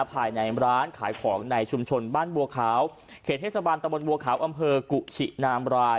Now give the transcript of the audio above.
ภายในร้านขายของในชุมชนบ้านบัวขาวเขตเทศบาลตะบนบัวขาวอำเภอกุชินามราย